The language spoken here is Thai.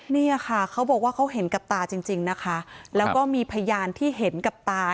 เนี่ยค่ะเขาบอกว่าเขาเห็นกับตาจริงจริงนะคะแล้วก็มีพยานที่เห็นกับตา